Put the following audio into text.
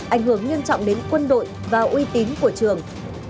ảnh hưởng nghiêm trọng đến quân đội và uy tín của trường